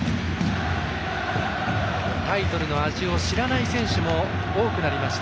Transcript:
タイトルの味を知らない選手も多くなりました。